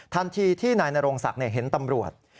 ทันทีที่นายนโรงศักดิ์เห็นตำรวจ